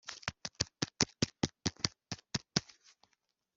ukwemera kwa bikira mariya si ikimanuka, si ibikabyo k’umuryango